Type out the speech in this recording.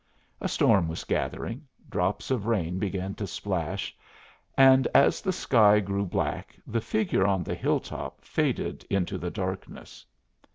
A storm was gathering, drops of rain began to splash and as the sky grew black the figure on the hilltop faded into the darkness.